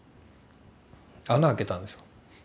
穴開けたんですよ。